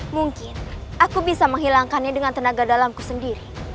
mungkin aku bisa menghilangkannya dengan tenaga dalamku sendiri